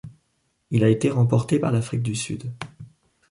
Il a été remporté par l'Afrique du Sud.